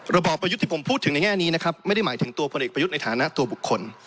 บอบประยุทธ์ที่ผมพูดถึงในแง่นี้นะครับไม่ได้หมายถึงตัวพลเอกประยุทธ์ในฐานะตัวบุคคล